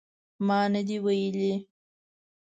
ما نه دي ویلي